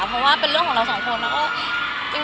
เพราะว่าเป็นเรื่องของเราทั้งสองคน